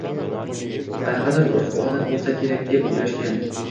Qanaqadir urf-odat bo‘lsa kerak deb o‘ylashgan.